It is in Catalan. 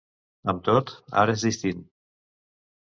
Amb tot, ara és distint.